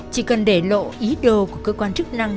chỉ cần để lộ ý đồ của cơ quan chức năng